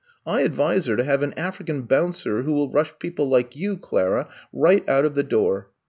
' I advise her to have an African bouncer who will rush people like you, Clara, right out of the door.